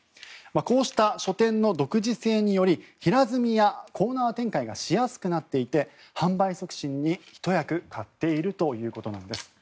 こうした書店の独自性により平積みやコーナー展開がしやすくなっていて販売促進にひと役買っているということなんです。